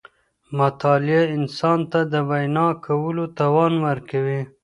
مطالعه انسان ته د وینا کولو توان ورکوي.